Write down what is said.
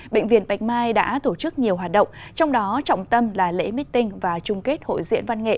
bệnh viện bạch mai đã tổ chức nhiều hoạt động trong đó trọng tâm là lễ meeting và chung kết hội diễn văn nghệ